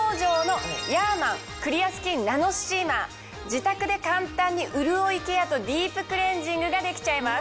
自宅で簡単に潤いケアとディープクレンジングができちゃいます。